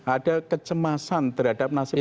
ada kecemasan terhadap nasib